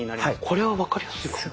これは分かりやすいかも。